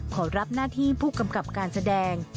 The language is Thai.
ขอรับหน้าที่ผู้กำกับการแสดง